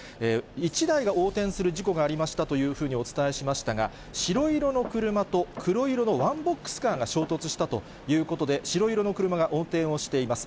１台が横転する事故がありましたというふうにお伝えしましたが、白色の車と黒色のワンボックスカーが衝突したということで、白色の車が横転しています。